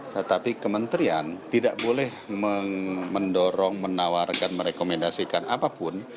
tetapi kementerian tidak boleh mendorong menawarkan merekomendasikan apapun